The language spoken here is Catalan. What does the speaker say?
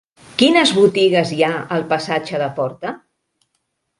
Quines botigues hi ha al passatge de Porta?